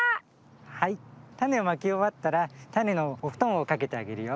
はいたねをまきおわったらたねのおふとんをかけてあげるよ。